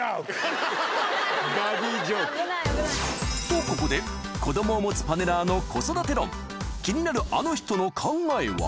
とここで子供を持つパネラーの子育て論気になるあの人の考えは？